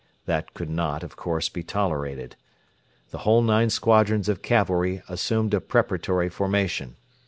That could not, of course, be tolerated. The whole nine squadrons of cavalry assumed a preparatory formation.